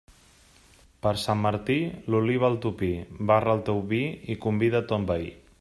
Per Sant Martí, l'oliva al topí, barra el teu vi i convida ton veí.